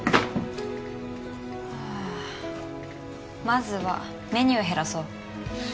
まずはメニュー減らそう。